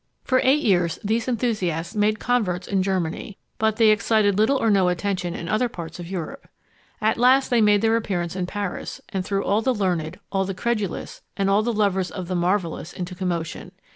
For eight years these enthusiasts made converts in Germany, but they excited little or no attention in other parts of Europe. At last they made their appearance in Paris, and threw all the learned, all the credulous, and all the lovers of the marvellous into commotion.